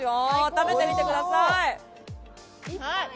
食べてみてください。